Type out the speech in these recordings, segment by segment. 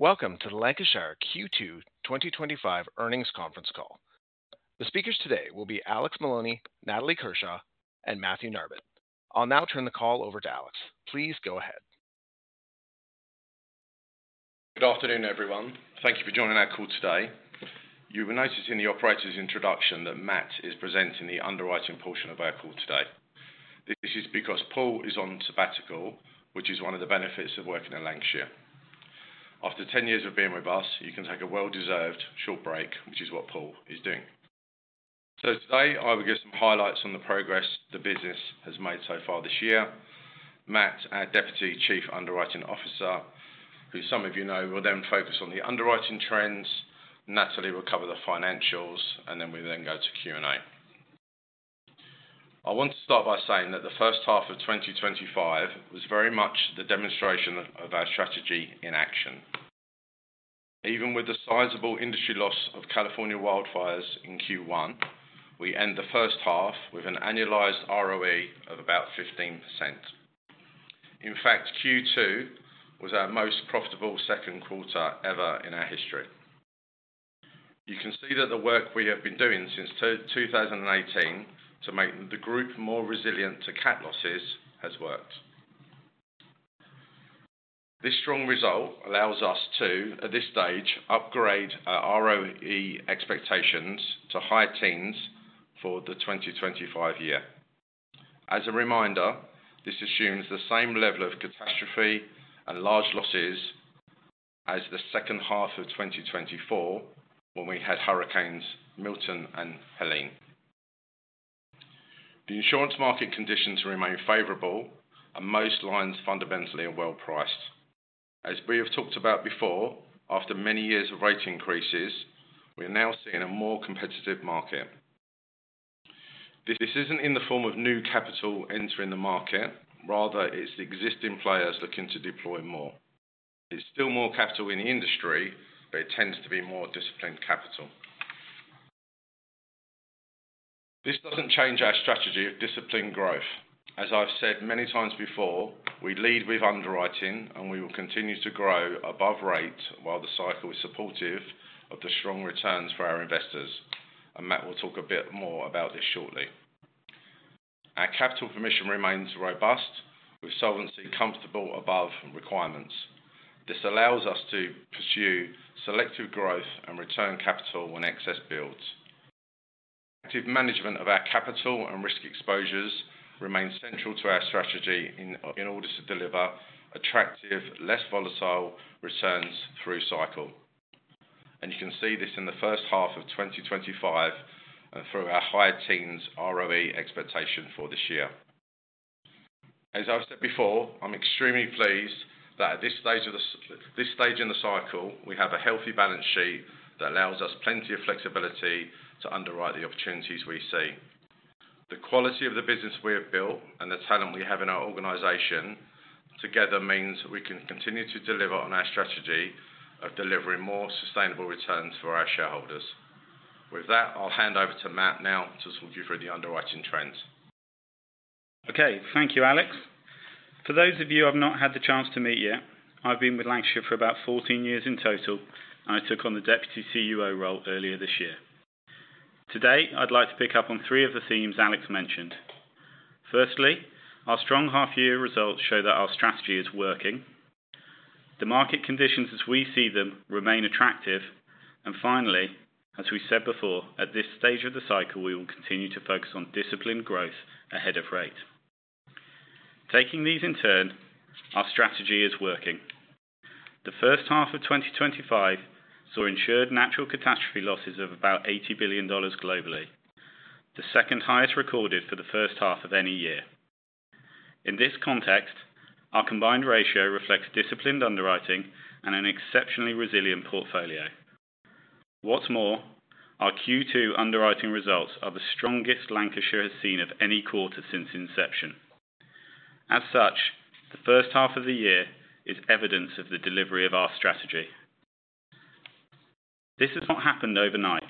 Welcome to the Lancashire Q2 2025 earnings conference call. The speakers today will be Alex Maloney, Natalie Kershaw, and Matthew Narbett. I'll now turn the call over to Alex. Please go ahead. Good afternoon, everyone. Thank you for joining our call today. You may notice in the operator's introduction that Matt is presenting the underwriting portion of our call today. This is because Paul is on sabbatical, which is one of the benefits of working in Lancashire. After 10 years of being with us, he can take a well-deserved short break, which is what Paul is doing. Today I will give some highlights on the progress the business has made so far this year. Matt, our Deputy Chief Underwriting Officer, who some of you know, will then focus on the underwriting trends. Natalie will cover the financials, and then we'll go to Q&A. I want to start by saying that the first half of 2025 was very much the demonstration of our strategy in action. Even with the sizable industry loss of California wildfires in Q1, we end the first half with an annualized ROE of about 15%. In fact, Q2 was our most profitable second quarter ever in our history. You can see that the work we have been doing since 2018 to make the group more resilient to CAT losses has worked. This strong result allows us to, at this stage, upgrade our ROE expectations to high teens for the 2025 year. As a reminder, this assumes the same level of catastrophe and large losses as the second half of 2024 when we had hurricanes Milton and Helene. The insurance market conditions remain favorable, and most lines fundamentally are well priced. As we have talked about before, after many years of rate increases, we are now seeing a more competitive market. This isn't in the form of new capital entering the market; rather, it's the existing players looking to deploy more. It's still more capital in the industry, but it tends to be more disciplined capital. This doesn't change our strategy of disciplined growth. As I've said many times before, we lead with underwriting, and we will continue to grow above rate while the cycle is supportive of the strong returns for our investors. Matt will talk a bit more about this shortly. Our capital position remains robust, with solvency comfortable above requirements. This allows us to pursue selective growth and return capital when excess builds. Active management of our capital and risk exposures remains central to our strategy in order to deliver attractive, less volatile returns through cycle. You can see this in the first half of 2025 and through our higher teens ROE expectation for this year. As I've said before, I'm extremely pleased that at this stage in the cycle, we have a healthy balance sheet that allows us plenty of flexibility to underwrite the opportunities we see. The quality of the business we have built and the talent we have in our organization together means we can continue to deliver on our strategy of delivering more sustainable returns for our shareholders. With that, I'll hand over to Matt now to talk you through the underwriting trends. Okay, thank you, Alex. For those of you I've not had the chance to meet yet, I've been with Lancashire for about 14 years in total, and I took on the Deputy CEO role earlier this year. Today, I'd like to pick up on three of the themes Alex mentioned. Firstly, our strong half-year results show that our strategy is working. The market conditions as we see them remain attractive. Finally, as we said before, at this stage of the cycle, we will continue to focus on disciplined growth ahead of rate. Taking these in turn, our strategy is working. The first half of 2025 saw insured natural catastrophe losses of about $80 billion globally, the second highest recorded for the first half of any year. In this context, our combined ratio reflects disciplined underwriting and an exceptionally resilient portfolio. What's more, our Q2 underwriting results are the strongest Lancashire has seen of any quarter since inception. As such, the first half of the year is evidence of the delivery of our strategy. This has not happened overnight.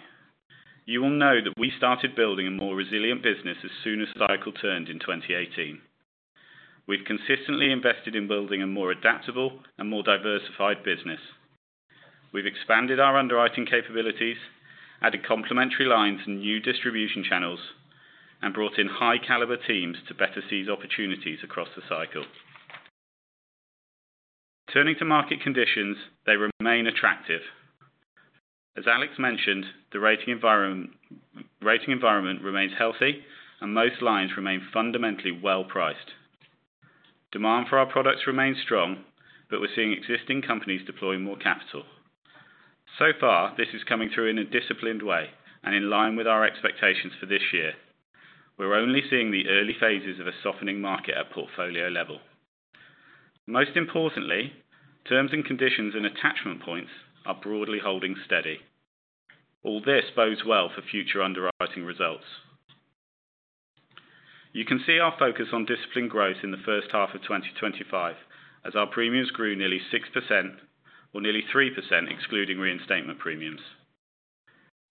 You will know that we started building a more resilient business as soon as the cycle turned in 2018. We've consistently invested in building a more adaptable and more diversified business. We've expanded our underwriting capabilities, added complementary lines and new distribution channels, and brought in high-caliber teams to better seize opportunities across the cycle. Turning to market conditions, they remain attractive. As Alex mentioned, the rating environment remains healthy, and most lines remain fundamentally well priced. Demand for our products remains strong, but we're seeing existing companies deploy more capital. So far, this is coming through in a disciplined way and in line with our expectations for this year. We're only seeing the early phases of a softening market at portfolio level. Most importantly, terms and conditions and attachment points are broadly holding steady. All this bodes well for future underwriting results. You can see our focus on disciplined growth in the first half of 2025 as our premiums grew nearly 6%, or nearly 3% excluding reinstatement premiums.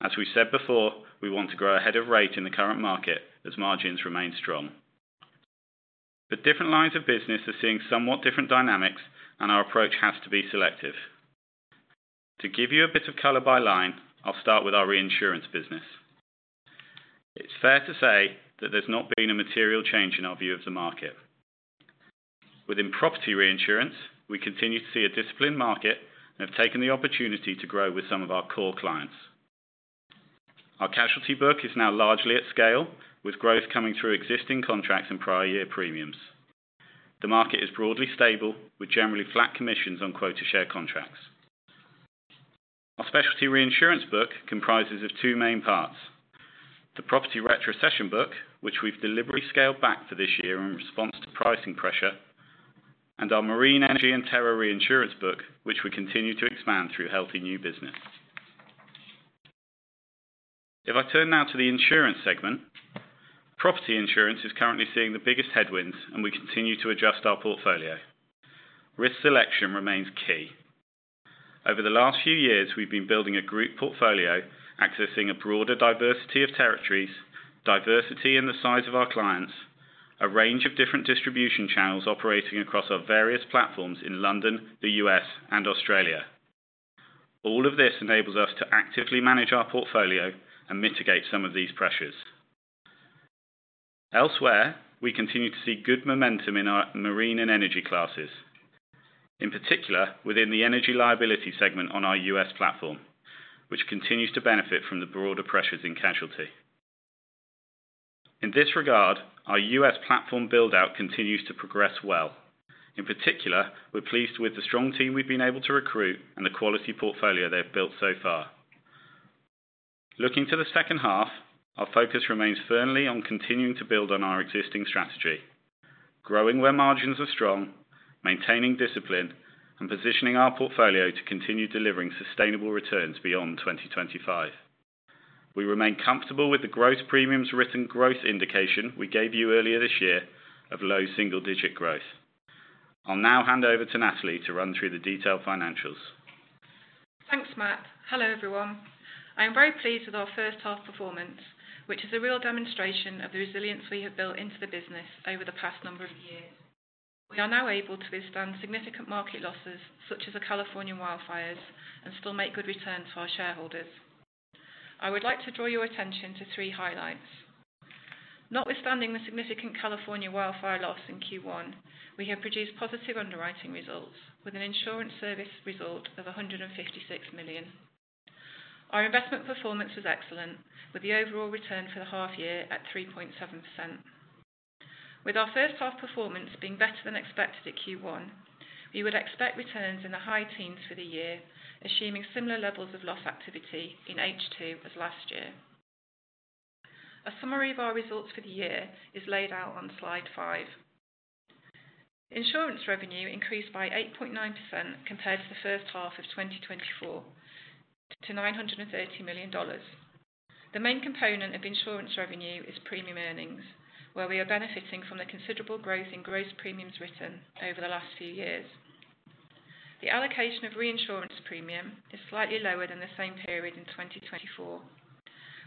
As we said before, we want to grow ahead of rate in the current market as margins remain strong. Different lines of business are seeing somewhat different dynamics, and our approach has to be selective. To give you a bit of color by line, I'll start with our reinsurance business. It's fair to say that there's not been a material change in our view of the market. Within property reinsurance, we continue to see a disciplined market and have taken the opportunity to grow with some of our core clients. Our casualty book is now largely at scale, with growth coming through existing contracts and prior year premiums. The market is broadly stable, with generally flat commissions on quota share contracts. Our specialty reinsurance book comprises two main parts: the property retrocession book, which we've deliberately scaled back for this year in response to pricing pressure, and our marine, energy, and terror reinsurance book, which we continue to expand through healthy new business. If I turn now to the insurance segment, property insurance is currently seeing the biggest headwinds, and we continue to adjust our portfolio. Risk selection remains key. Over the last few years, we've been building a group portfolio accessing a broader diversity of territories, diversity in the size of our clients, a range of different distribution channels operating across our various platforms in London, the U.S., and Australia. All of this enables us to actively manage our portfolio and mitigate some of these pressures. Elsewhere, we continue to see good momentum in our marine and energy classes, in particular within the energy liability segment on our U.S. platform, which continues to benefit from the broader pressures in casualty. In this regard, our U.S. platform build-out continues to progress well. In particular, we're pleased with the strong team we've been able to recruit and the quality portfolio they've built so far. Looking to the second half, our focus remains firmly on continuing to build on our existing strategy, growing where margins are strong, maintaining discipline, and positioning our portfolio to continue delivering sustainable returns beyond 2025. We remain comfortable with the premiums written growth indication we gave you earlier this year of low single-digit growth. I'll now hand over to Natalie to run through the detailed financials. Thanks, Matt. Hello, everyone. I am very pleased with our first half performance, which is a real demonstration of the resilience we have built into the business over the past number of years. We are now able to withstand significant market losses, such as the California wildfires, and still make good returns for our shareholders. I would like to draw your attention to three highlights. Notwithstanding the significant California wildfire loss in Q1, we have produced positive underwriting results with an insurance service result of $156 million. Our investment performance was excellent, with the overall return for the half year at 3.7%. With our first half performance being better than expected at Q1, we would expect returns in the high teens for the year, assuming similar levels of loss activity in H2 as last year. A summary of our results for the year is laid out on slide five. Insurance revenue increased by 8.9% compared to the first half of 2024 to $930 million. The main component of insurance revenue is premium earnings, where we are benefiting from the considerable growth in gross premiums written over the last few years. The allocation of reinsurance premium is slightly lower than the same period in 2024.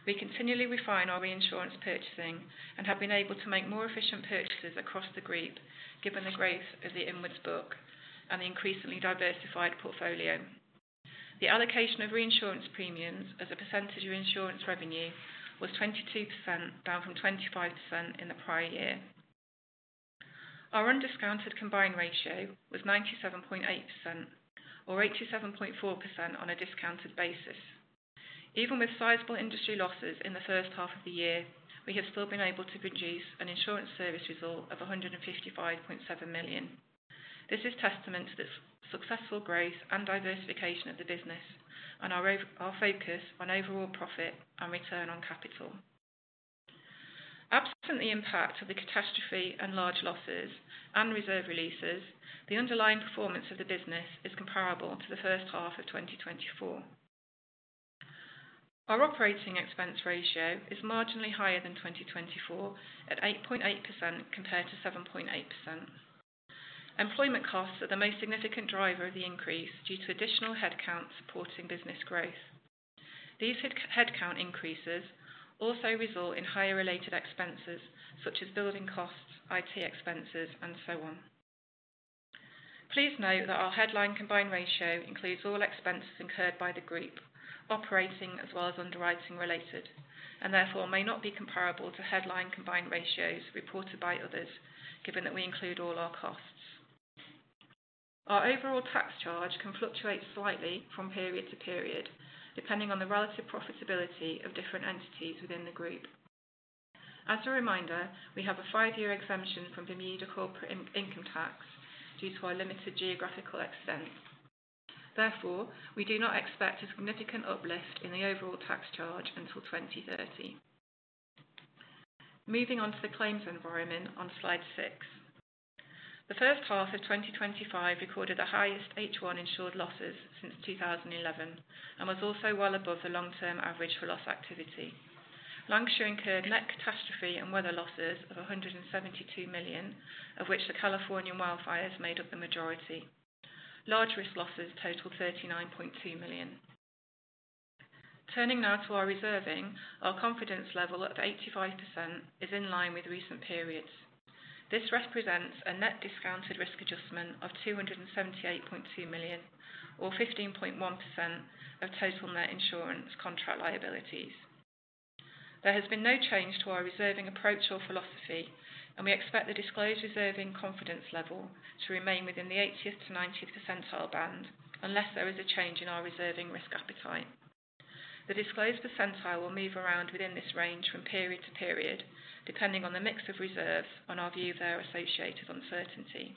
We continually refine our reinsurance purchasing and have been able to make more efficient purchases across the group, given the growth of the inwards book and the increasingly diversified portfolio. The allocation of reinsurance premiums as a percentage of insurance revenue was 22%, down from 25% in the prior year. Our undiscounted combined ratio was 97.8%, or 87.4% on a discounted basis. Even with sizable industry losses in the first half of the year, we have still been able to produce an insurance service result of $155.7 million. This is testament to the successful growth and diversification of the business and our focus on overall profit and return on capital. Absent the impact of the catastrophe and large losses and reserve releases, the underlying performance of the business is comparable to the first half of 2024. Our operating expense ratio is marginally higher than 2024 at 8.8% compared to 7.8%. Employment costs are the most significant driver of the increase due to additional headcount supporting business growth. These headcount increases also result in higher related expenses such as building costs, IT expenses, and so on. Please note that our headline combined ratio includes all expenses incurred by the group, operating as well as underwriting related, and therefore may not be comparable to headline combined ratios reported by others, given that we include all our costs. Our overall tax charge can fluctuate slightly from period to period depending on the relative profitability of different entities within the group. As a reminder, we have a five-year exemption from Bermuda corporate income tax due to our limited geographical extent. Therefore, we do not expect a significant uplift in the overall tax charge until 2030. Moving on to the claims environment on slide six, the first half of 2025 recorded the highest H1 insured losses since 2011 and was also well above the long-term average for loss activity. Lancashire incurred net catastrophe and weather losses of $172 million, of which the California wildfires made up the majority. Large risk losses totaled $39.2 million. Turning now to our reserving, our confidence level of 85% is in line with recent periods. This represents a net discounted risk adjustment of $278.2 million, or 15.1% of total net insurance contract liabilities. There has been no change to our reserving approach or philosophy, and we expect the disclosed reserving confidence level to remain within the 80th to 90th percentile band unless there is a change in our reserving risk appetite. The disclosed percentile will move around within this range from period to period depending on the mix of reserves and our view of their associated uncertainty.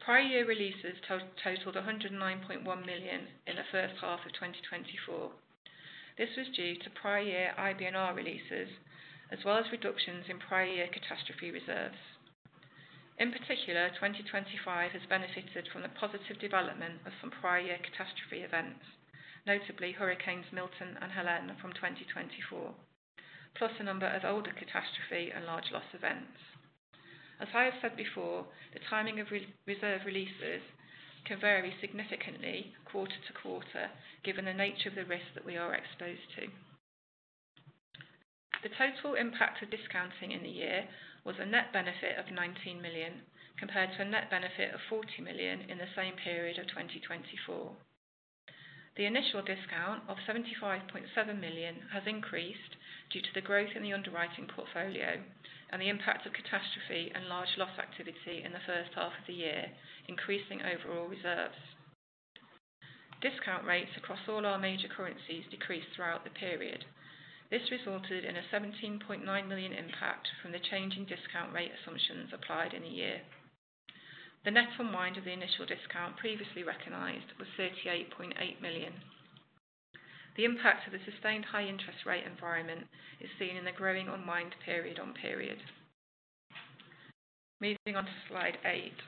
Prior year releases totaled $109.1 million in the first half of 2024. This was due to prior year IBNR releases as well as reductions in prior year catastrophe reserves. In particular, 2025 has benefited from the positive development of some prior year catastrophe events, notably hurricanes Milton and Helene from 2024, plus a number of older catastrophe and large loss events. As I have said before, the timing of reserve releases can vary significantly quarter to quarter given the nature of the risk that we are exposed to. The total impact of discounting in the year was a net benefit of $19 million compared to a net benefit of $40 million in the same period of 2024. The initial discount of $75.7 million has increased due to the growth in the underwriting portfolio and the impact of catastrophe and large loss activity in the first half of the year, increasing overall reserves. Discount rates across all our major currencies decreased throughout the period. This resulted in a $17.9 million impact from the changing discount rate assumptions applied in a year. The net unwind of the initial discount previously recognized was $38.8 million. The impact of the sustained high interest rate environment is seen in the growing unwind period on period. Moving on to slide eight,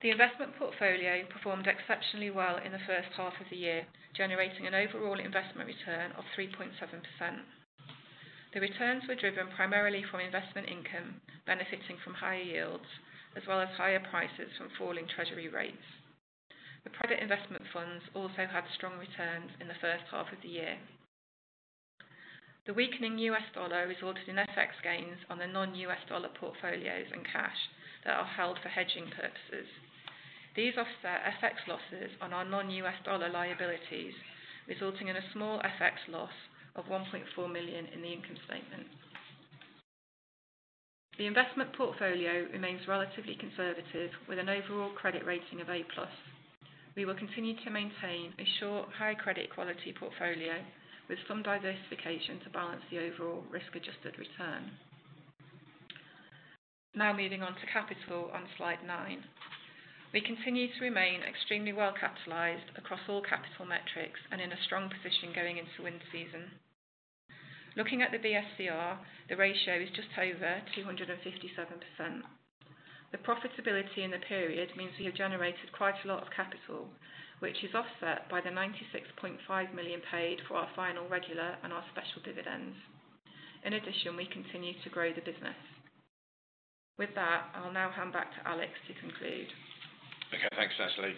the investment portfolio performed exceptionally well in the first half of the year, generating an overall investment return of 3.7%. The returns were driven primarily from investment income benefiting from higher yields as well as higher prices from falling Treasury rates. The private investment funds also had strong returns in the first half of the year. The weakening U.S. dollar resulted in FX gains on the non-U.S. dollar portfolios and cash that are held for hedging purposes. These offset FX losses on our non-U.S. dollar liabilities, resulting in a small FX loss of $1.4 million in the income statement. The investment portfolio remains relatively conservative with an overall credit rating of A+. We will continue to maintain a short, high credit quality portfolio with some diversification to balance the overall risk-adjusted return. Now moving on to capital on slide nine, we continue to remain extremely well capitalized across all capital metrics and in a strong position going into wind season. Looking at the BSCR, the ratio is just over 257%. The profitability in the period means we have generated quite a lot of capital, which is offset by the $96.5 million paid for our final regular and our special dividends. In addition, we continue to grow the business. With that, I'll now hand back to Alex to conclude. Okay, thanks, Natalie.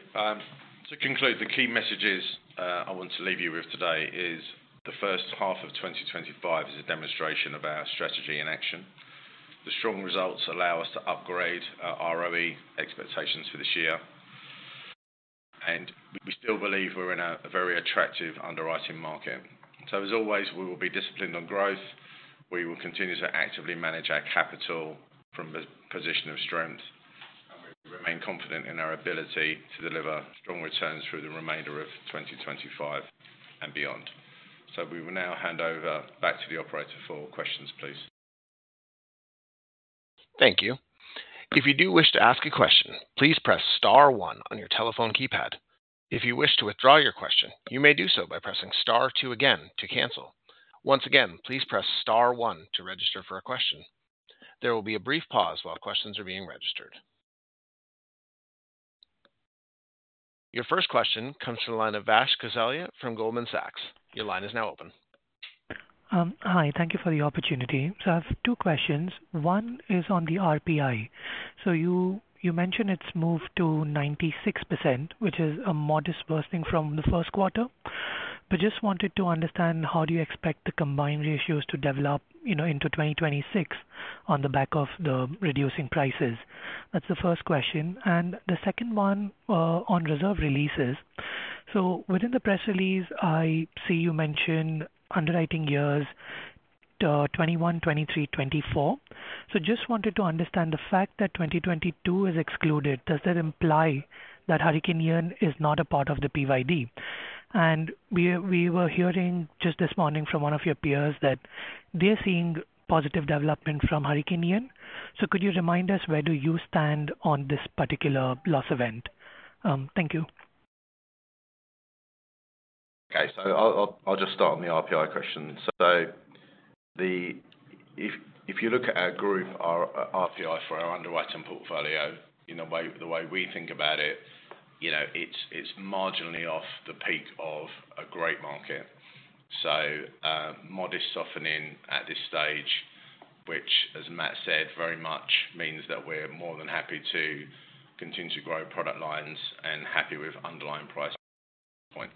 To conclude, the key messages I want to leave you with today are the first half of 2025 is a demonstration of our strategy in action. The strong results allow us to upgrade our ROE expectations for this year, and we still believe we're in a very attractive underwriting market. As always, we will be disciplined on growth. We will continue to actively manage our capital from a position of strength and are confident in our ability to deliver strong returns through the remainder of 2025 and beyond. We will now hand over back to the operator for questions, please. Thank you. If you do wish to ask a question, please press star one on your telephone keypad. If you wish to withdraw your question, you may do so by pressing star two again to cancel. Once again, please press star one to register for a question. There will be a brief pause while questions are being registered. Your first question comes from the line of Vash Gosalia from Goldman Sachs. Your line is now open. Hi, thank you for the opportunity. I have two questions. One is on the RPI. You mentioned it's moved to 96%, which is a modest worsening from the first quarter, but I just wanted to understand how you expect the combined ratios to develop into 2026 on the back of the reducing prices. That's the first question. The second one is on reserve releases. Within the press release, I see you mention underwriting years 2021, 2023, 2024. I just wanted to understand the fact that 2022 is excluded. Does that imply that Hurricane Ian is not a part of the PYD? We were hearing just this morning from one of your peers that they're seeing positive development from Hurricane Ian. Could you remind us where you stand on this particular loss event? Thank you. Okay, I'll just start on the RPI question. If you look at our group RPI for our underwriting portfolio, the way we think about it, it's marginally off the peak of a great market. Modest softening at this stage, which as Matt said, very much means that we're more than happy to continue to grow product lines and happy with underlying price points.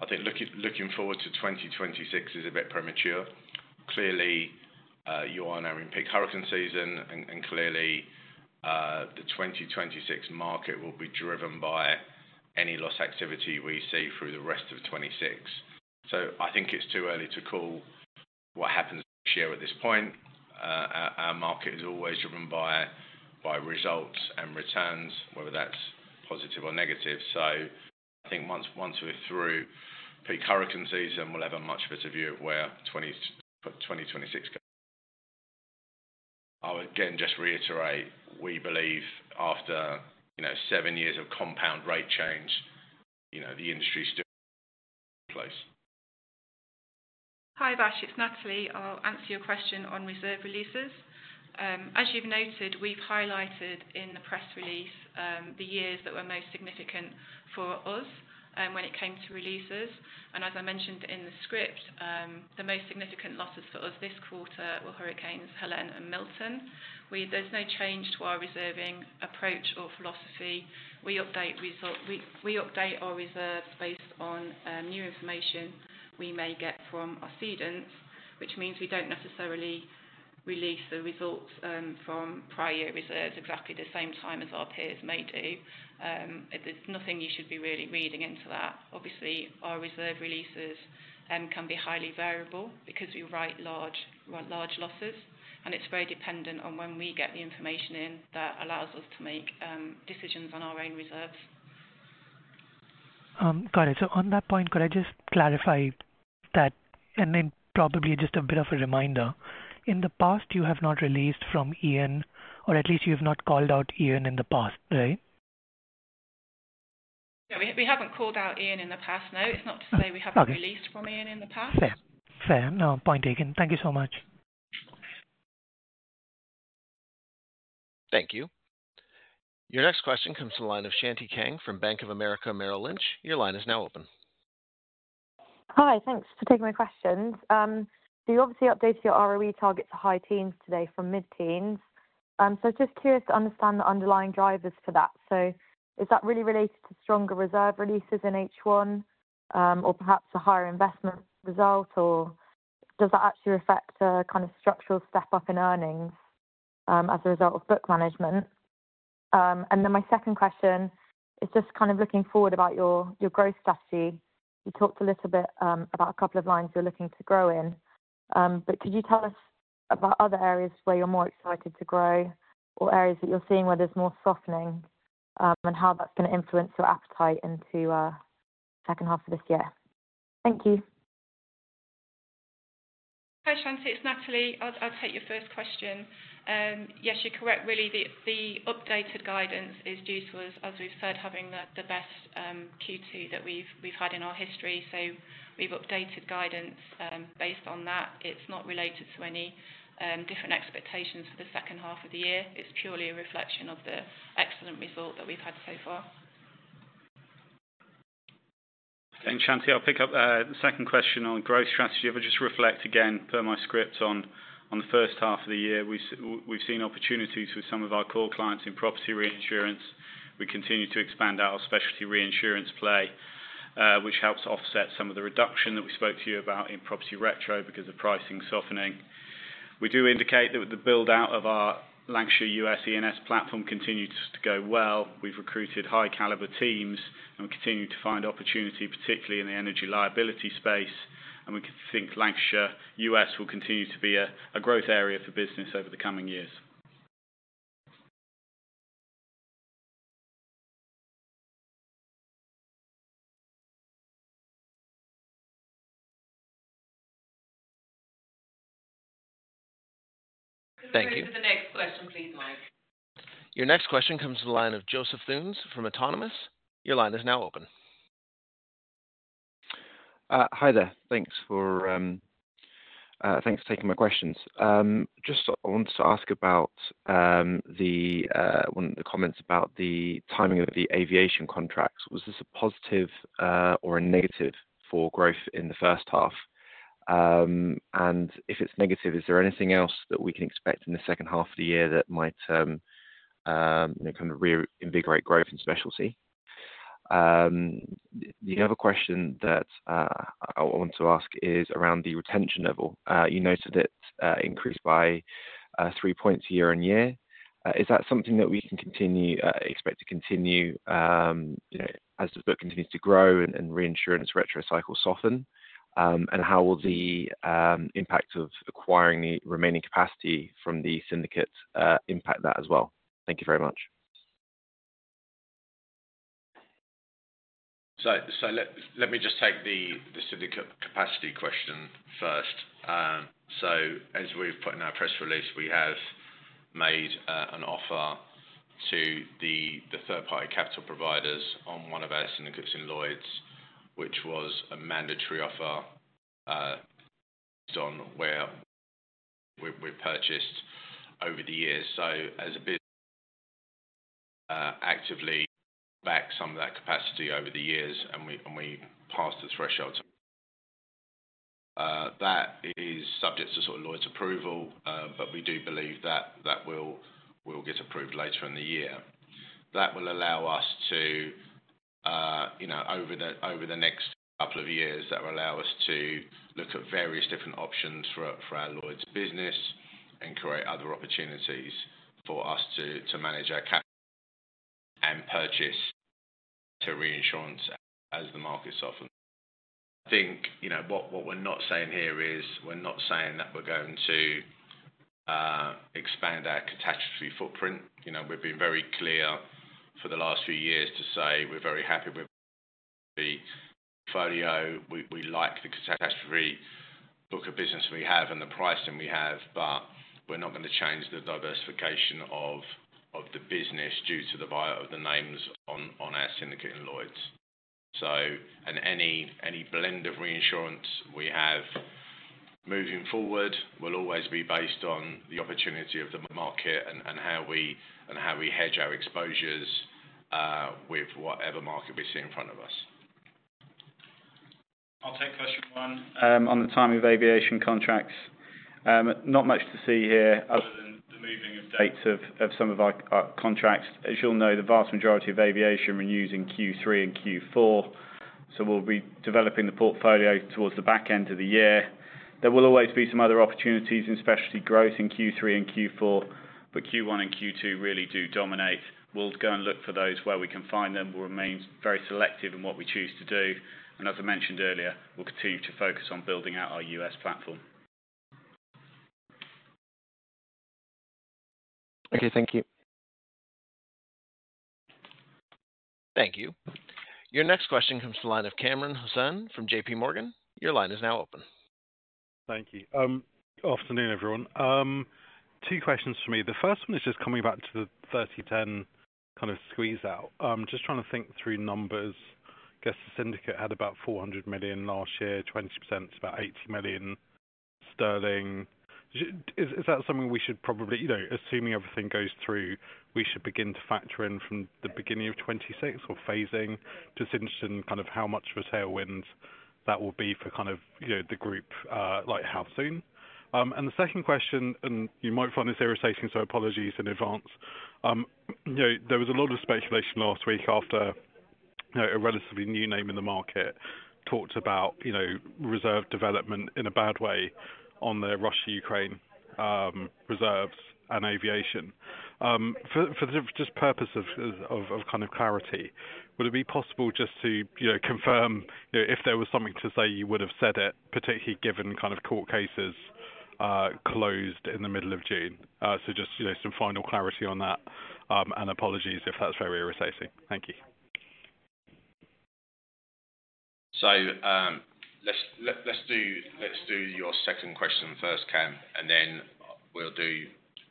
I think looking forward to 2026 is a bit premature. Clearly, you are in our peak hurricane season and clearly the 2026 market will be driven by any loss activity we see through the rest of 2026. I think it's too early to call what happens next year at this point. Our market is always driven by results and returns, whether that's positive or negative. I think once we're through peak hurricane season, we'll have a much better view of where 2026 goes. I'll again just reiterate, we believe after seven years of compound rate change, the industry is still close. Hi Vash, it's Natalie. I'll answer your question on reserve releases. As you've noted, we've highlighted in the press release the years that were most significant for us when it came to releases. As I mentioned in the script, the most significant losses for us this quarter were hurricanes Helene and Milton. There's no change to our reserving approach or philosophy. We update our reserves based on new information we may get from our cedants, which means we don't necessarily release the results from prior year reserves exactly the same time as our peers may do. There's nothing you should be really reading into that. Obviously, our reserve releases can be highly variable because we write large losses, and it's very dependent on when we get the information in that allows us to make decisions on our own reserves. Got it. On that point, could I just clarify that? Probably just a bit of a reminder, in the past, you have not released from Ian, or at least you have not called out Ian in the past, right? Yeah, we haven't called out Ian in the past, no. It's not to say we haven't released from Ian in the past. Fair. Fair. No, point taken. Thank you so much. Thank you. Your next question comes from the line of Shanti Kang from Bank of America Merrill Lynch. Your line is now open. Hi, thanks for taking my question. You obviously updated your ROE target to high teens today from mid-teens. I'm just curious to understand the underlying drivers for that. Is that really related to stronger reserve releases in H1, or perhaps a higher investment result, or does that actually affect a kind of structural step up in earnings as a result of book management? My second question is just looking forward about your growth strategy. You talked a little bit about a couple of lines you're looking to grow in, but could you tell us about other areas where you're more excited to grow or areas that you're seeing where there's more softening and how that's going to influence your appetite into the second half of this year? Thank you. Hi Shanti, it's Natalie. I'll take your first question. Yes, you're correct. Really, the updated guidance is due to, as we've said, having the best Q2 that we've had in our history. We've updated guidance based on that. It's not related to any different expectations for the second half of the year. It's purely a reflection of the excellent result that we've had so far. Shanti, I'll pick up the second question on growth strategy, but just reflect again per my script on the first half of the year. We've seen opportunities with some of our core clients in property reinsurance. We continue to expand our specialty reinsurance play, which helps offset some of the reduction that we spoke to you about in property retro because of pricing softening. We do indicate that with the build-out of our Lancashire U.S. E&S platform continues to go well. We've recruited high-caliber teams and we continue to find opportunity, particularly in the energy liability space. We think Lancashire U.S. will continue to be a growth area for business over the coming years. Thank you. For the next question, please, Mike. Your next question comes from the line of Joseph Theuns from Autonomous. Your line is now open. Hi there. Thanks for taking my questions. Just wanted to ask about the comments about the timing of the aviation contracts. Was this a positive or a negative for growth in the first half? If it's negative, is there anything else that we can expect in the second half of the year that might kind of reinvigorate growth in specialty? The other question that I want to ask is around the retention level. You noted it increased by 3% year-on year. Is that something that we can expect to continue as the book continues to grow and reinsurance retro cycles soften? How will the impact of acquiring remaining capacity from the Syndicate impact that as well? Thank you very much. Let me just take the Syndicate capacity question first. As we've put in our press release, we have made an offer to the third-party capital providers on one of our Syndicates in Lloyd’s, which was a mandatory offer on where we've purchased over the years. As a bit, actively back some of that capacity over the years, and we passed the threshold. That is subject to Lloyd’s approval, but we do believe that will get approved later in the year. That will allow us, over the next couple of years, to look at various different options for our Lloyd’s business and create other opportunities for us to manage our capital and purchase reinsurance as the market softens. What we're not saying here is we're not saying that we're going to expand our catastrophe footprint. We've been very clear for the last few years to say we're very happy with the portfolio. We like the catastrophe book of business we have and the pricing we have, but we're not going to change the diversification of the business due to the buyout of the names on our Syndicate in Lloyd’s. Any blend of reinsurance we have moving forward will always be based on the opportunity of the market and how we hedge our exposures with whatever market we see in front of us. I'll take question one on the timing of aviation contracts. Not much to see here other than the moving of dates of some of our contracts. As you'll know, the vast majority of aviation renews in Q3 and Q4, so we'll be developing the portfolio towards the back end of the year. There will always be some other opportunities in specialty growth in Q3 and Q4, but Q1 and Q2 really do dominate. We'll go and look for those where we can find them. We will remain very selective in what we choose to do. As I mentioned earlier, we'll continue to focus on building out our US platform. Okay, thank you. Thank you. Your next question comes from the line of Kamran Hossain from JPMorgan. Your line is now open. Thank you. Afternoon, everyone. Two questions for me. The first one is just coming back to the 2010 kind of squeeze out. I'm just trying to think through numbers. I guess the Syndicate had about 400 million last year, 20% is about 80 million sterling. Is that something we should probably, you know, assuming everything goes through, we should begin to factor in from the beginning of 2026 or phasing? Just interested in kind of how much of a tailwind that will be for kind of, you know, the group, like how soon? The second question, and you might find this irritating, so apologies in advance. There was a lot of speculation last week after a relatively new name in the market talked about reserve development in a bad way on the Russia-Ukraine reserves and aviation. For the just purpose of clarity, would it be possible just to confirm, if there was something to say, you would have said it, particularly given court cases closed in the middle of June. Just some final clarity on that. Apologies if that's very irritating. Thank you. Let's do your second question first, Ken, and then we'll do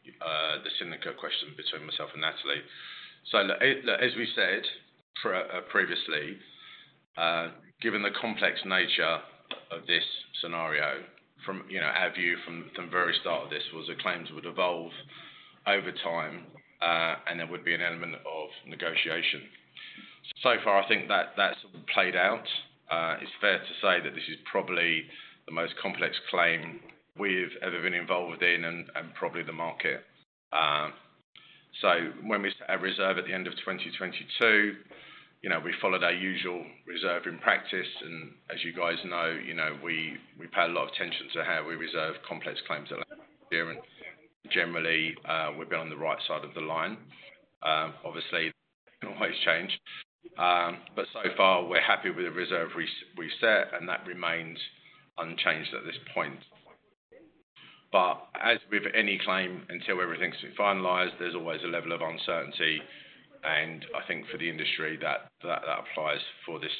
the Syndicate question between myself and Natalie. As we said previously, given the complex nature of this scenario, our view from the very start of this was that claims would evolve over time, and there would be an element of negotiation. So far, I think that that's played out. It's fair to say that this is probably the most complex claim we've ever been involved in and probably the market. When we started our reserve at the end of 2022, we followed our usual reserving practice. As you guys know, we paid a lot of attention to how we reserve complex claims at Lancashire and generally, we've been on the right side of the line. Obviously, it can always change. So far, we're happy with the reserve we set and that remains unchanged at this point. As with any claim, until everything's been finalized, there's always a level of uncertainty. I think for the industry, that applies for this.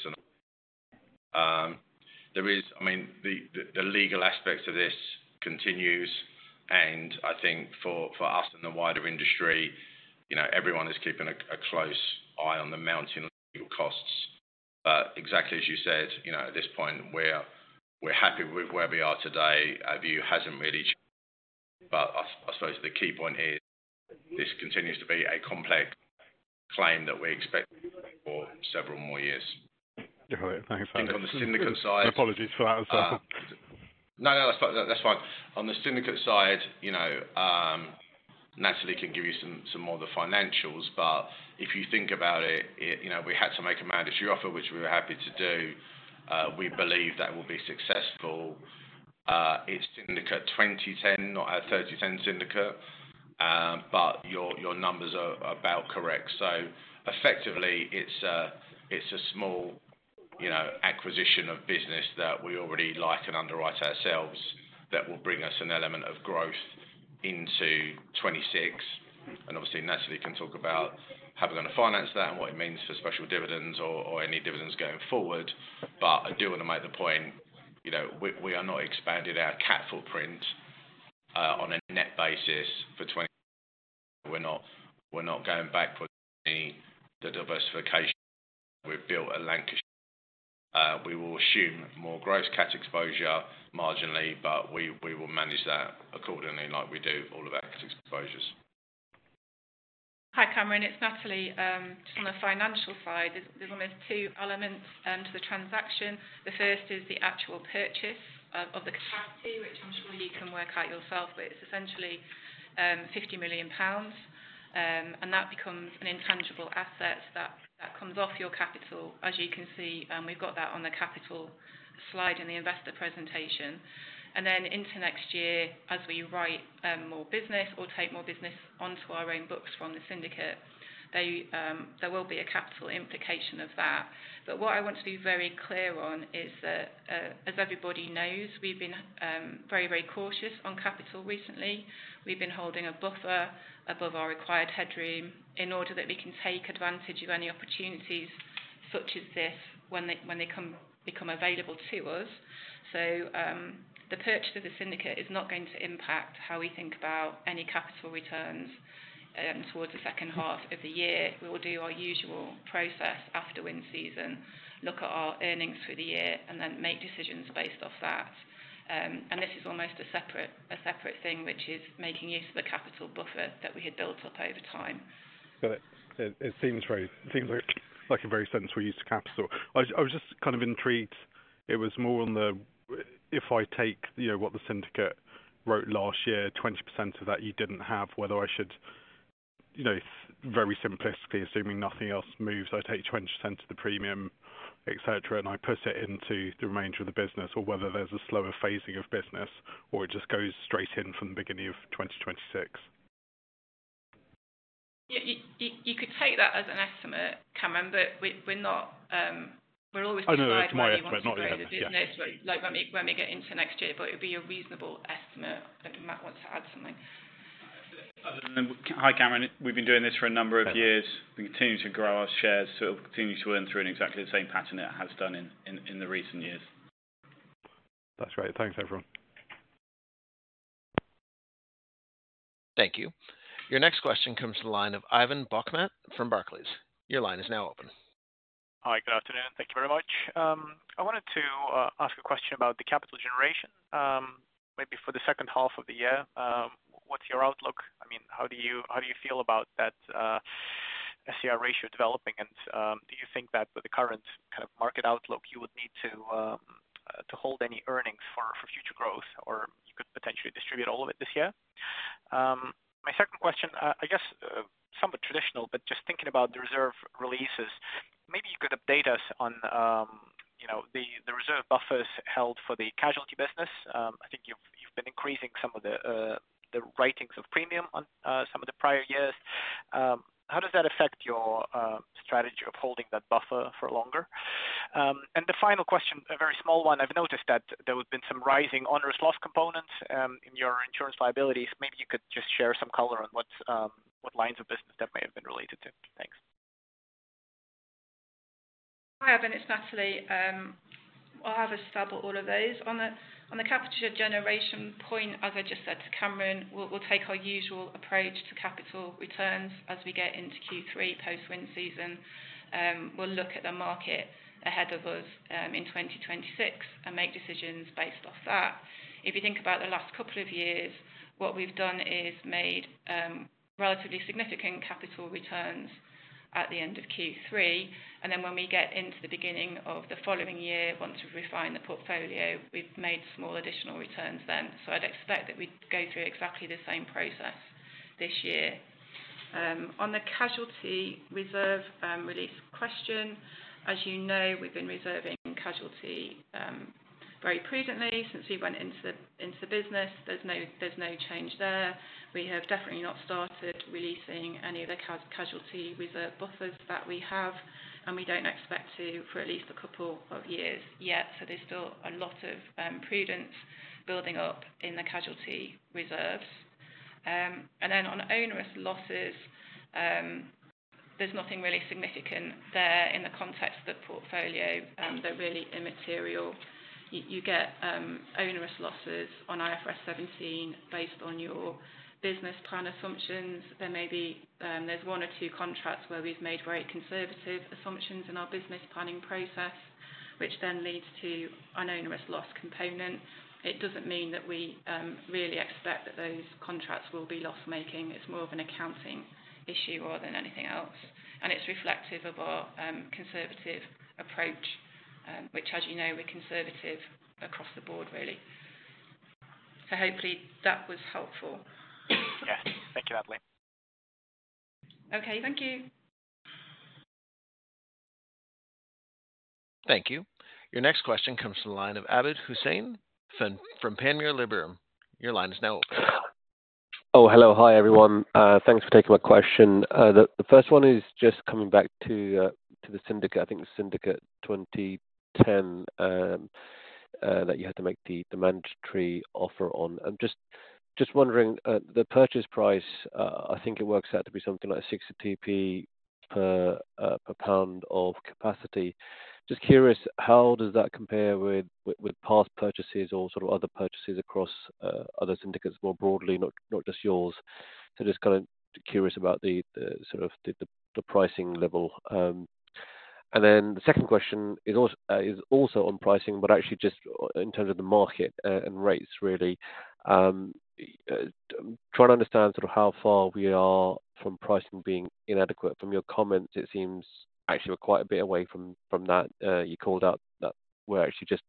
The legal aspects of this continue. I think for us and the wider industry, everyone is keeping a close eye on the mounting legal costs. Exactly as you said, at this point, we're happy with where we are today. Our view hasn't really, but I suppose the key point is this continues to be a complex claim that we expect for several more years. I think on the Syndicate side. Apologies for that. No, no, that's fine. On the Syndicate side, you know, Natalie can give you some more of the financials. If you think about it, we had to make a mandatory offer, which we were happy to do. We believe that it will be successful. It's Syndicate 2010, not our 3010 Syndicate. Your numbers are about correct. Effectively, it's a small acquisition of business that we already like and underwrite ourselves that will bring us an element of growth into 2026. Obviously, Natalie can talk about how we're going to finance that and what it means for special dividends or any dividends going forward. I do want to make the point, we are not expanding our CAT footprint on a net basis for 2021. We're not going back for any of the diversification. We've built a Lancashire. We will assume more growth CAT exposure marginally, but we will manage that accordingly like we do all of our CAT exposures. Hi Kamran, it's Natalie. Just on the financial side, there's almost two elements to the transaction. The first is the actual purchase of the CAT, which I'm sure you can work out yourself, but it's essentially 50 million pounds. That becomes an intangible asset that comes off your capital. As you can see, we've got that on the capital slide in the investor presentation. Into next year, as we write more business or take more business onto our own books from the Syndicate, there will be a capital implication of that. What I want to be very clear on is that, as everybody knows, we've been very, very cautious on capital recently. We've been holding a buffer above our required headroom in order that we can take advantage of any opportunities such as this when they become available to us. The purchase of the Syndicate is not going to impact how we think about any capital returns. Towards the second half of the year, we will do our usual process after wind season, look at our earnings through the year, and then make decisions based off that. This is almost a separate thing, which is making use of the capital buffer that we had built up over time. Got it. It seems like a very sensible use of capital. I was just kind of intrigued. It was more on the, if I take what the Syndicate wrote last year, 20% of that you didn't have, whether I should, very simplistically, assuming nothing else moves, I take 20% of the premium, et cetera, and I put it into the remainder of the business, or whether there's a slower phasing of business, or it just goes straight in from the beginning of 2026. You could take that as an estimate, Kamran, but we're not, we're always prepared to make a decision when we get into next year. It would be a reasonable estimate. I don't know if Matt wants to add something. Hi, Kamran. We've been doing this for a number of years. We continue to grow our shares, so it continues to earn through in exactly the same pattern it has done in the recent years. That's right. Thanks, everyone. Thank you. Your next question comes from the line of Ivan Bokhmat from Barclays. Your line is now open. Hi, good afternoon. Thank you very much. I wanted to ask a question about the capital generation. Maybe for the second half of the year, what's your outlook? I mean, how do you feel about that SCR ratio developing? Do you think that with the current kind of market outlook, you would need to hold any earnings for future growth, or you could potentially distribute all of it this year? My second question, I guess somewhat traditional, just thinking about the reserve releases, maybe you could update us on the reserve buffers held for the casualty business. I think you've been increasing some of the writings of premium on some of the prior years. How does that affect your strategy of holding that buffer for longer? The final question, a very small one, I've noticed that there have been some rising onerous loss components in your insurance liabilities. Maybe you could just share some color on what lines of business that may have been related to. Thanks. Hi Ivan, it's Natalie. I'll have a stab at all of those. On the capital generation point, as I just said to Kamran, we'll take our usual approach to capital returns as we get into Q3 post-wind season. We'll look at the market ahead of us in 2026 and make decisions based off that. If you think about the last couple of years, what we've done is made relatively significant capital returns at the end of Q3, and when we get into the beginning of the following year, once we've refined the portfolio, we've made small additional returns then. I'd expect that we'd go through exactly the same process this year. On the casualty reserve release question, as you know, we've been reserving casualty very prudently since we went into the business. There's no change there. We have definitely not started releasing any of the casualty reserve buffers that we have, and we don't expect to for at least a couple of years yet. There's still a lot of prudence building up in the casualty reserves. On onerous losses, there's nothing really significant there in the context of the portfolio. They're really immaterial. You get onerous losses on IFRS 17 based on your business plan assumptions. There may be one or two contracts where we've made very conservative assumptions in our business planning process, which then leads to an onerous loss component. It doesn't mean that we really expect that those contracts will be loss-making. It's more of an accounting issue rather than anything else. It's reflective of our conservative approach, which, as you know, we're conservative across the board, really. Hopefully that was helpful. Yeah, thank you, Natalie. Okay, thank you. Thank you. Your next question comes from the line of Abid Hussain from Panmure Liberum. Your line is now open. Oh, hello. Hi, everyone. Thanks for taking my question. The first one is just coming back to the Syndicate. I think the Syndicate 2010 that you had to make the mandatory offer on. I'm just wondering, the purchase price, I think it works out to be something like 0.60 per pound of capacity. Just curious, how does that compare with past purchases or sort of other purchases across other Syndicates more broadly, not just yours? Just kind of curious about the sort of the pricing level. The second question is also on pricing, but actually just in terms of the market and rates, really. Trying to understand sort of how far we are from pricing being inadequate. From your comments, it seems actually we're quite a bit away from that. You called out that we're actually just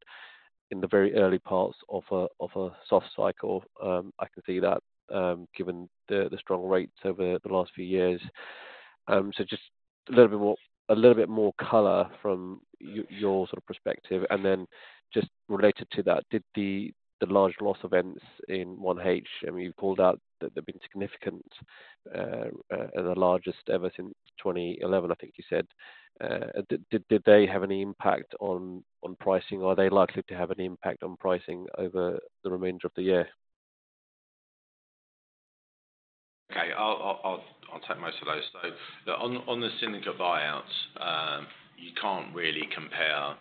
in the very early parts of a soft cycle. I can see that given the strong rates over the last few years. Just a little bit more color from your sort of perspective. Just related to that, did the large loss events in 1H, I mean, you've called out that they've been significant and the largest ever since 2011, I think you said. Did they have any impact on pricing? Are they likely to have an impact on pricing over the remainder of the year? I'll take most of those. On the Syndicate buyouts, you can't really compare.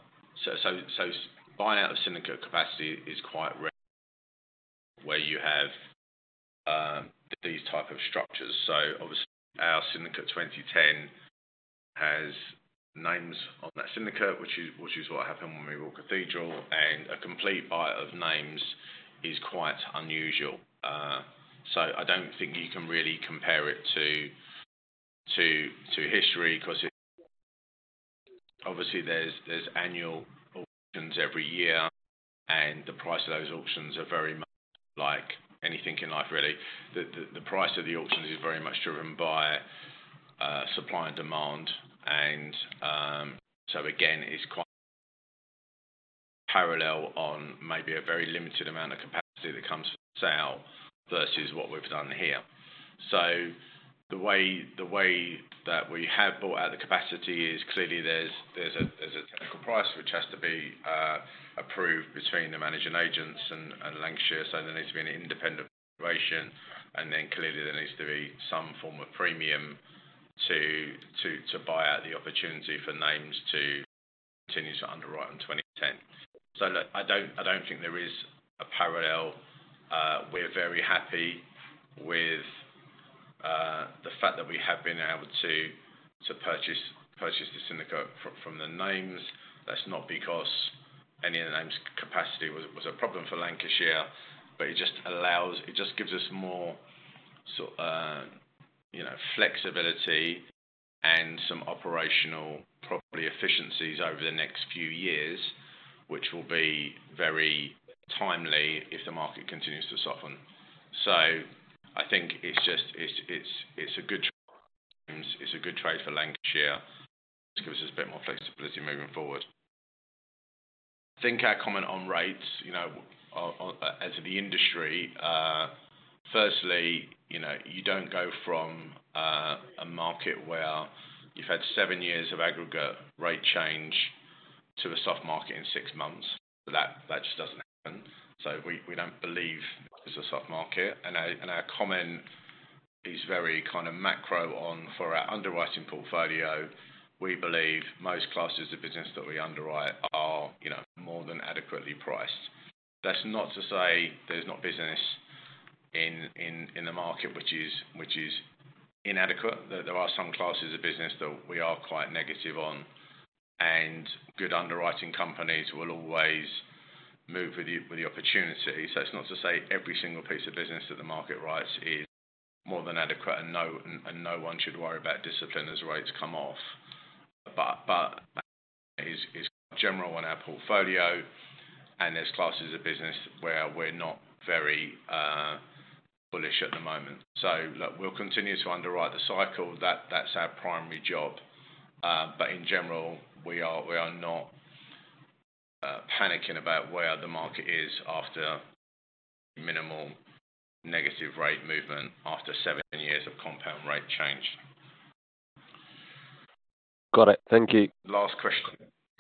Buying out of Syndicate capacity is quite rare where you have these types of structures. Obviously, our Syndicate 2010 has names on that Syndicate, which is what happened when we bought Cathedral. A complete buyout of names is quite unusual. I don't think you can really compare it to history because obviously, there's annual auctions every year, and the price of those auctions is very much like anything in life, really. The price of the auctions is very much driven by supply and demand. Again, it's quite parallel on maybe a very limited amount of capacity that comes out versus what we've done here. The way that we have bought out the capacity is clearly there's a technical price which has to be approved between the managing agents and Lancashire. There needs to be an independent evaluation. Clearly there needs to be some form of premium to buy out the opportunity for names to continue to underwrite in 2010. I don't think there is a parallel. We're very happy with the fact that we have been able to purchase the Syndicate from the names. That's not because any of the names' capacity was a problem for Lancashire, but it just gives us more flexibility and some operational property efficiencies over the next few years, which will be very timely if the market continues to soften. I think it's just a good trade for Lancashire. It gives us a bit more flexibility moving forward. I think our comment on rates, as of the industry, firstly, you don't go from a market where you've had seven years of aggregate rate change to a soft market in six months. That just doesn't happen. We don't believe there's a soft market. Our comment is very kind of macro on for our underwriting portfolio. We believe most classes of business that we underwrite are more than adequately priced. That's not to say there's not business in the market which is inadequate. There are some classes of business that we are quite negative on. Good underwriting companies will always move with the opportunity. It's not to say every single piece of business that the market writes is more than adequate, and no one should worry about discipline as rates come off. It's general on our portfolio, and there's classes of business where we're not very bullish at the moment. We'll continue to underwrite the cycle. That's our primary job. In general, we are not panicking about where the market is after minimal negative rate movement after seven years of compound rate change. Got it. Thank you. Last question.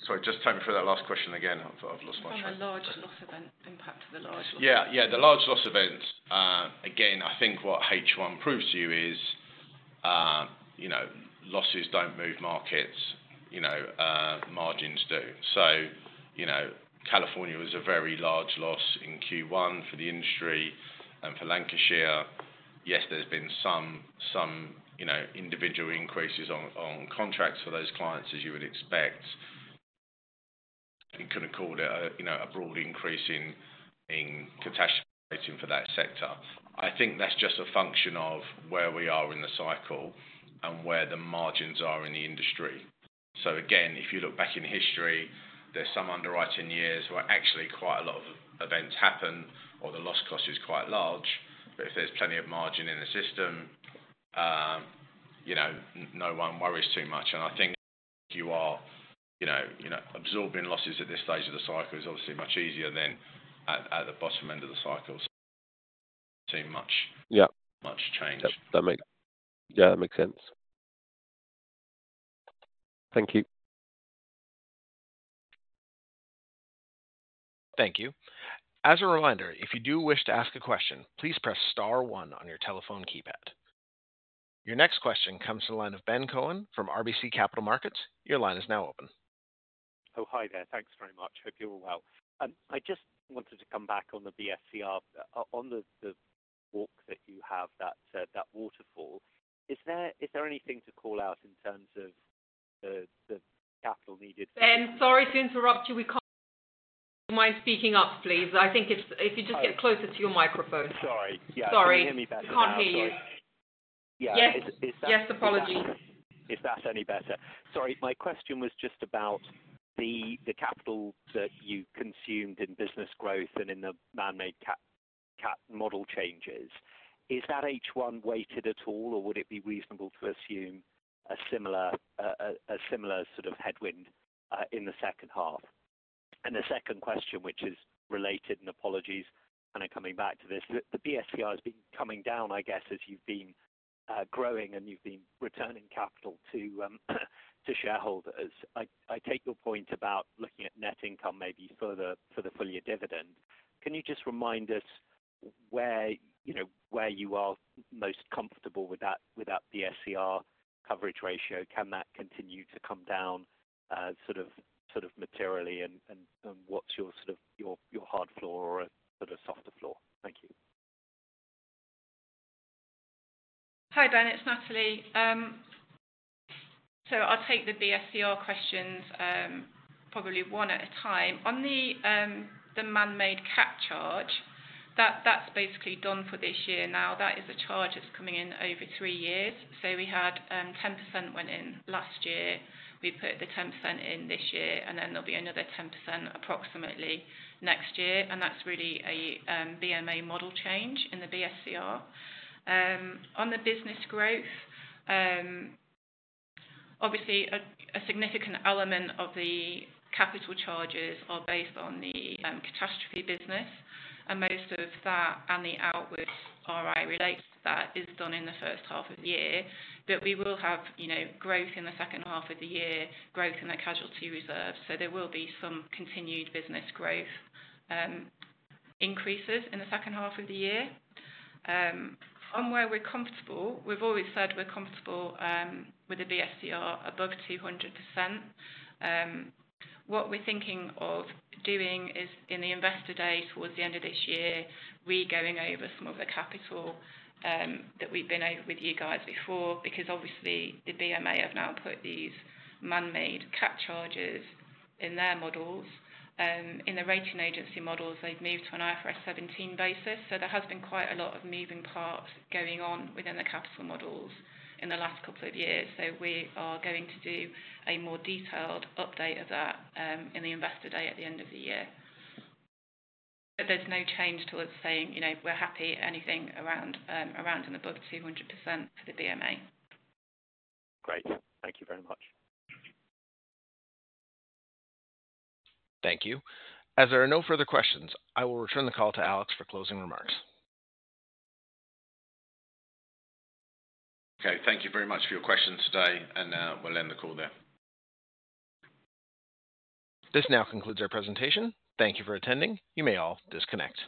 Sorry, just take me through that last question again. I've lost my train of thought. On the large loss event impact to the large loss. Yeah, the large loss events. Again, I think what H1 proves to you is, you know, losses don't move markets. You know, margins do. California was a very large loss in Q1 for the industry. For Lancashire, yes, there's been some individual increases on contracts for those clients, as you would expect. You couldn't call it a broad increase in catastrophe rating for that sector. I think that's just a function of where we are in the cycle and where the margins are in the industry. If you look back in history, there's some underwriting years where actually quite a lot of events happen or the loss cost is quite large. If there's plenty of margin in the system, no one worries too much. I think you are, you know, absorbing losses at this stage of the cycle is obviously much easier than at the bottom end of the cycle. Yeah, that makes sense. Thank you. Thank you. As a reminder, if you do wish to ask a question, please press star one on your telephone keypad. Your next question comes from the line of Ben Cohen from RBC Capital Markets. Your line is now open. Oh, hi there. Thanks very much. Hope you're all well. I just wanted to come back on the BSCR, on the walk that you have, that waterfall. Is there anything to call out in terms of the capital needed? Ben, sorry to interrupt you. We can't hear you. Mind speaking up, please? I think if you just get closer to your microphone. Sorry, yeah, can you hear me better? Sorry, can't hear you. Yes, apologies. Is that any better? Sorry, my question was just about the capital that you consumed in business growth and in the man-made CAT model changes. Is that H1 weighted at all, or would it be reasonable to assume a similar sort of headwind in the second half? The second question, which is related, and apologies, I'm coming back to this, the BSCR has been coming down, I guess, as you've been growing and you've been returning capital to shareholders. I take your point about looking at net income maybe further for the full year dividend. Can you just remind us where you are most comfortable with that BSCR coverage ratio? Can that continue to come down sort of materially? What's your sort of hard floor or a sort of softer floor? Thank you. Hi Ben, it's Natalie. I'll take the BSCR questions probably one at a time. On the man-made CAT charge, that's basically done for this year now. That is a charge that's coming in over three years. We had 10% went in last year. We put the 10% in this year, and then there'll be another 10% approximately next year. That's really a BMA model change in the BSCR. On the business growth, obviously, a significant element of the capital charges are based on the catastrophe business. Most of that and the outwards RI related to that is done in the first half of the year. We will have growth in the second half of the year, growth in the casualty reserve. There will be some continued business growth increases in the second half of the year. From where we're comfortable, we've always said we're comfortable with the BSCR above 200%. What we're thinking of doing is in the investor day towards the end of this year, we're going over some of the capital that we've been over with you guys before because obviously the BMA have now put these man-made CAT charges in their models. In the rating agency models, they've moved to an IFRS 17 basis. There has been quite a lot of moving parts going on within the capital models in the last couple of years. We are going to do a more detailed update of that in the investor day at the end of the year. There's no change towards saying, you know, we're happy anything around and above 200% for the BMA. Great. Thank you very much. Thank you. As there are no further questions, I will return the call to Alex for closing remarks. Okay, thank you very much for your questions today, and we'll end the call there. This now concludes our presentation. Thank you for attending. You may all disconnect.